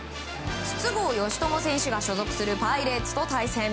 筒香嘉智選手が所属するパイレーツと対戦。